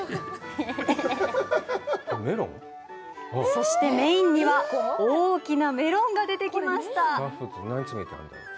そして、メインには大きなメロンが出てきました。